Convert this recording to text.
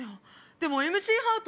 でもＭＣハート